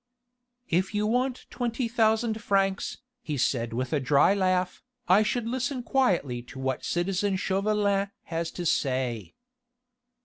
"If you want twenty thousand francs," he said with a dry laugh, "I should listen quietly to what citizen Chauvelin has to say."